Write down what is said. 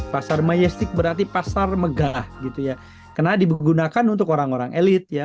pasar majestik berarti pasar megah gitu ya karena digunakan untuk orang orang elit ya